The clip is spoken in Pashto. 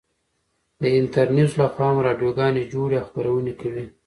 د انترنيوز لخوا هم راډيو گانې جوړې او خپرونې كوي.